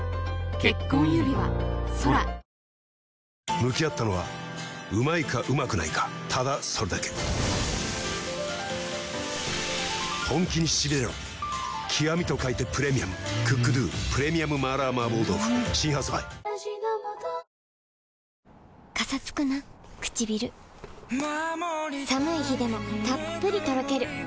向き合ったのはうまいかうまくないかただそれだけ極と書いてプレミアム「ＣｏｏｋＤｏ極麻辣麻婆豆腐」新発売カサつくなくちびる。寒い日でもたっぷりとろける。